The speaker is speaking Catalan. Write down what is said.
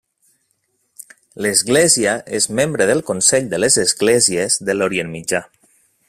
L'Església és membre del Consell de les Esglésies de l'Orient Mitjà.